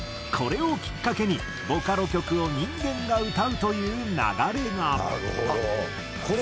これをきっかけにボカロ曲を人間が歌うという流れが。